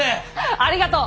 ありがとう！